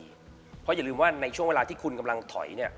เพราะอย่าลืมว่าในช่วงเวลาที่คุณกำลังถอย